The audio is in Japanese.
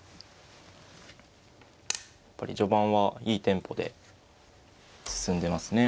やっぱり序盤はいいテンポで進んでますね。